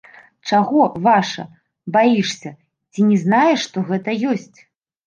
Чаго, ваша, баішся, ці не знаеш, што гэта ёсць?